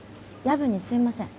夜分にすいません。